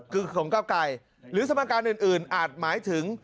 คือของเก้าไกรหรือสมการอื่นอาจหมายถึง